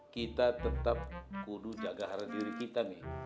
kita tetap kudu jaga hara diri kita mi